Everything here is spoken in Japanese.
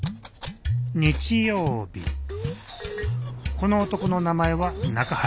この男の名前は中原